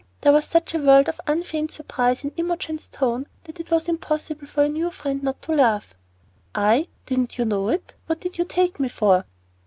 There was such a world of unfeigned surprise in Imogen's tone that it was impossible for her new friend not to laugh. "I. Did you not know it? What did you take me for?"